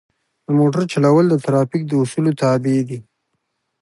د موټر چلول د ترافیک د اصولو تابع دي.